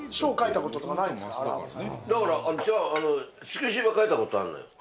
だから、色紙は書いたことあるのよ。